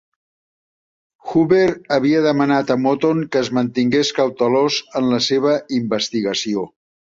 Hoover havia demanat a Moton que es mantingués cautelós en la seva investigació.